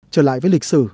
trở lại với lịch sử